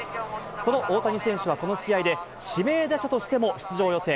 その大谷選手は、この試合で、指名打者としても出場予定。